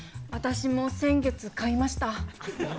私も先月買いました。